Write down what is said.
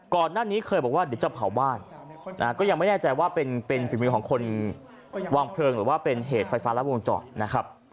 ก่อนหน้านี้เคยบอกว่าเดี๋ยวจะเผาบ้านก็ยังไม่แน่ใจว่าเป็นฝีมือของคนวางเพลิงหรือว่าเป็นเหตุไฟฟ้ารัดวงจอดนะครับ